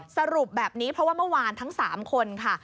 สรุปแบบนี้เพราะว่าเมื่อวานทั้ง๓คนค่ะ